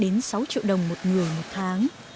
đến sáu triệu đồng một người một tháng